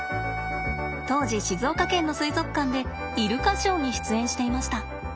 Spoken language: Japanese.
当時静岡県の水族館でイルカショーに出演していました。